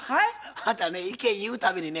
あなた意見言う度にね